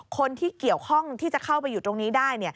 คนที่เกี่ยวข้องที่จะเข้าไปอยู่ตรงนี้ได้